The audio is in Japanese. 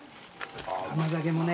甘酒もね